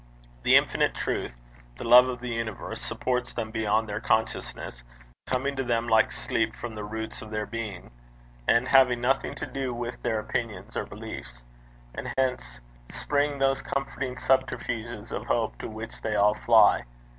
The infinite Truth, the Love of the universe, supports them beyond their consciousness, coming to them like sleep from the roots of their being, and having nothing to do with their opinions or beliefs. And hence spring those comforting subterfuges of hope to which they all fly.